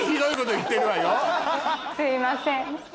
すいません。